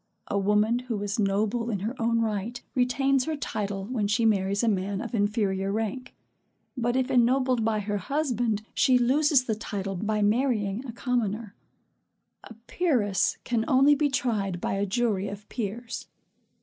A woman who is noble in her own right, retains her title when she marries a man of inferior rank; but if ennobled by her husband, she loses the title by marrying a commoner. A peeress can only be tried by a jury of peers.